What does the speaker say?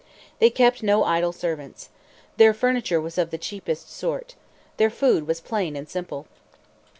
They kept no idle servants. Their furniture was of the cheapest sort. Their food was plain and simple.